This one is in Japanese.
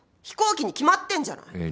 飛行機に決まってんじゃない。